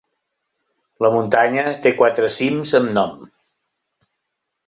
La muntanya té quatre cims amb nom.